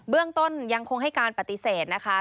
เรื่องต้นยังคงให้การปฏิเสธนะคะ